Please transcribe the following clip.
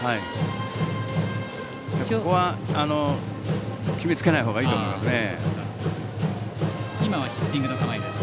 ここは決めつけないほうがいいと思いますね。